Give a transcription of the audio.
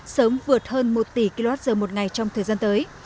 sớm vượt hơn một tỷ kwh một ngày trong thời gian tới